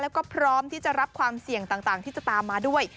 แล้วก็พร้อมที่จะรับความเสี่ยงต่างที่จะตามมาด้วย